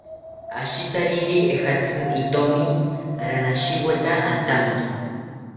Ashitariri ejatzi itomi ranashiweta antamiki